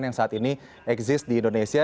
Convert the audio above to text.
yang saat ini eksis di indonesia